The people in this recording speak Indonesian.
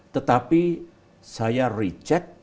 tetapi saya reject